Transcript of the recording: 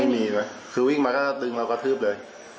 ไม่มีเลยคือวิ่งมาก็ดึงเรากระทืบเลย